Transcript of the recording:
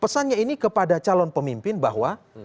pesannya ini kepada calon pemimpin bahwa